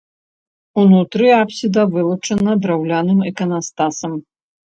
Унутры апсіда вылучана драўляным іканастасам.